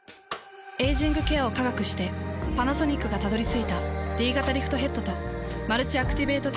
エイジングケアを科学してパナソニックがたどり着いたＤ型リフトヘッドとマルチアクティベートテクノロジー。